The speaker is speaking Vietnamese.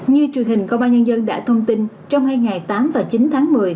như truyền hình công an nhân dân đã thông tin trong hai ngày tám và chín tháng một mươi